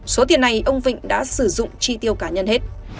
số tiền này ông vịnh đã sử dụng chi tiêu cá nhân hết